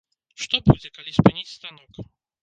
Што будзе, калі спыніць станок?